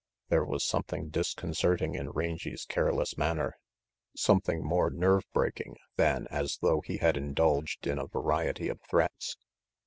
There was something disconcerting in Rangy *s care less manner, something more nerve breaking than as though he had indulged in a variety of threats.